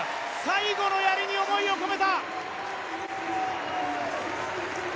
最後のやりに思いを込めた。